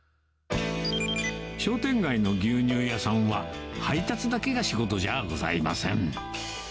商店街の牛乳屋さんは、配達だけが仕事じゃございません。